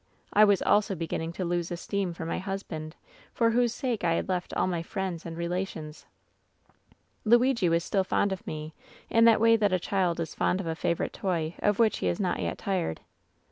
I was also beginning to lose esteem for my husband, for whose sake I had left all my friends and relations. "Luigi was still fond of me in that way that a child is fond of a favorite toy of which he is not yet tired.